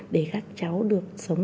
để các cháu được phát triển toàn diện